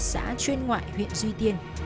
xã chuyên ngoại huyện duy tiên